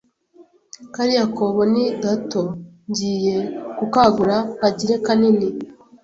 Kariya kobo ni gatongiye kukagura nkagire kanini